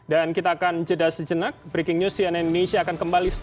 dan kita akan jeda sejenak breaking news cnn indonesia akan kembali segera